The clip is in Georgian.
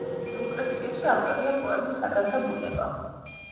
ლუკრეციუსი ავტორია პოემის „საგანთა ბუნება“.